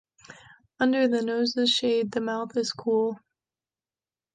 Under the nose’s shade, the mouth is cool.